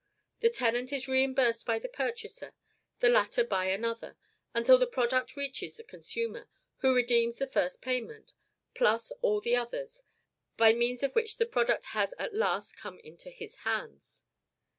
The tenant is reimbursed by the purchaser, the latter by another, until the product reaches the consumer; who redeems the first payment, PLUS all the others, by means of which the product has at last come into his hands."